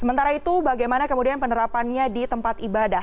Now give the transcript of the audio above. sementara itu bagaimana kemudian penerapannya di tempat ibadah